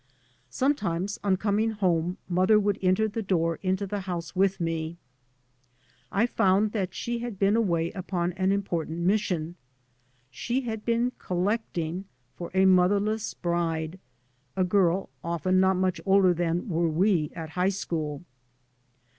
Sometimes on coming home mother would enter the door into the house with me. I found that she had been away upon an im portant mission; she had been "collecting" for a motherless bride, a girl often not much older than were we at high school.